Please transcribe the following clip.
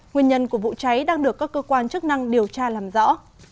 nguyên nhân của vụ cháy đang được các cơ quan chức năng điều tra làm rõ